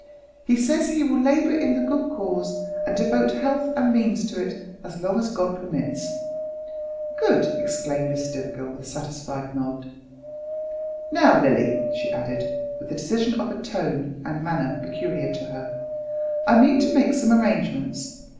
He says he will labour in the good cause, and devote health and means to it as long as God permits." "Good!" exclaimed Miss Stivergill with a satisfied nod. "Now, Lilly," she added, with the decision of tone and manner peculiar to her, "I mean to make some arrangements.